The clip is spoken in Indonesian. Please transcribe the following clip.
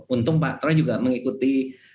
untung pak troy juga mengikuti